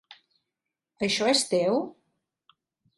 Això és teu?